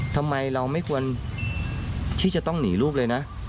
ทำไมเราไม่ควรที่จะต้องหนีลูกเลยนะ